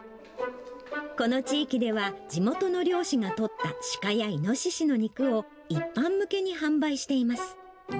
この地域では地元の猟師が取った鹿やイノシシの肉を、一般向けに販売しています。